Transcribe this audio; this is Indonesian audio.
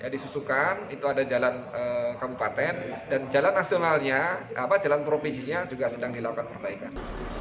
disusukan itu ada jalan kabupaten dan jalan nasionalnya jalan provinsinya juga sedang dilakukan perbaikan